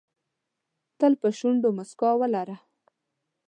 تل په شونډو موسکا ولره .